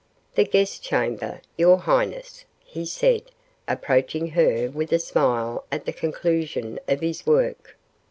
"The guest chamber, your highness," he said, approaching her with a smile at the conclusion of his work.